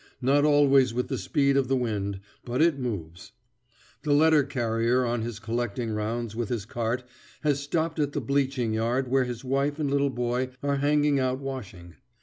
Not always with the speed of the wind; but it moves. The letter carrier on his collecting rounds with his cart has stopped at the bleaching yard where his wife and little boy are hanging out washing.